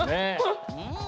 うん。